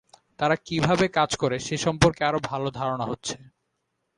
তারা কীভাবে কাজ করে সে সম্পর্কে আরও ভালো ধারণা হচ্ছে।